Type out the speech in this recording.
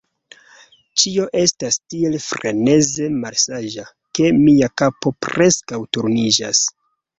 Ĉio estas tiel freneze malsaĝa, ke mia kapo preskaŭ turniĝas.